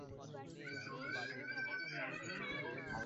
Mask পরে থাকা অবস্থায় তাকে আবার শ্বাস নেওয়াতে পারছিলাম না।